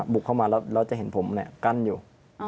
บุกเข้ามาแล้วจะเห็นผมกั้นอยู่